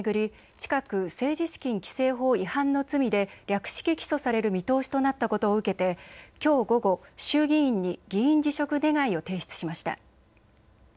近く政治資金規正法違反の罪で略式起訴される見通しとなったことを受けて、きょう午後、衆議院に議員辞職願を提出しました。